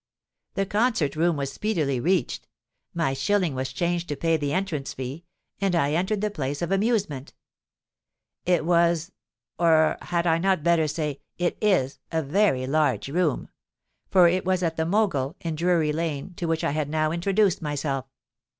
"The concert room was speedily reached: my shilling was changed to pay the entrance fee; and I entered the place of amusement. It was—or had I not better say, it is a very large room; for it was at the Mogul, in Drury Lane, to which I had now introduced myself.